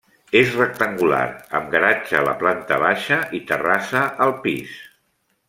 És rectangular, amb garatge a la planta baixa i terrassa al pis.